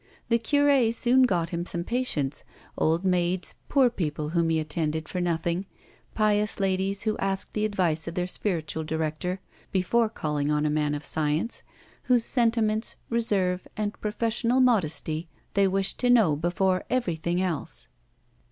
The curé soon got him some patients, old maids, poor people whom he attended for nothing, pious ladies who asked the advice of their spiritual director before calling on a man of science, whose sentiments, reserve, and professional modesty, they wished to know before everything else.